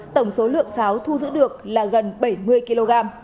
tổng số lượng pháo thu giữ được là gần bảy mươi kg